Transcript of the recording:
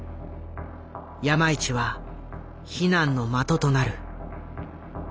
山一は非難の的となる。